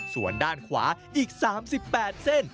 ส่วนด้านขวาอีก๓๘เส้น